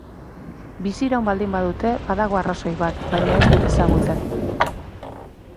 Biziraun baldin badute, badago arrazoi bat, baina ez dut ezagutzen.